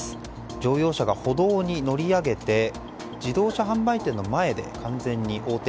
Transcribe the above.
乗用車が歩道に乗り上げて自動車販売店の前で完全に横転。